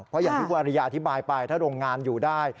เพราะอย่างที่วาริยาอธิบายไปถ้าโรงงานอยู่ได้